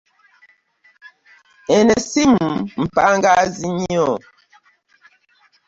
Eno essimu mpangaazi nnyo.